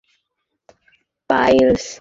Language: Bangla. তিনি পাইলটস ইউনিয়নের সভাপতি।